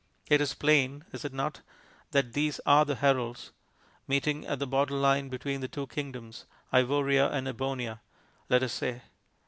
It is plain (is it not?) that these are the heralds, meeting at the border line between the two kingdoms Ivoria and Ebonia, let us say.